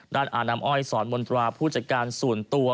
ด้านอนามอ้อยสอนมนตราผู้จัดการศูนย์ตัว